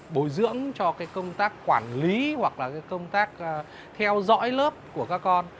bồi dưỡng cho cái công tác quản lý hoặc là công tác theo dõi lớp của các con